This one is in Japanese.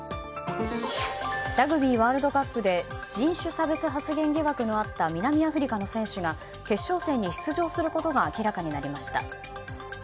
ラグビーワールドカップで人種差別発言疑惑のあった南アフリカの選手が決勝戦に出場することが明らかになりました。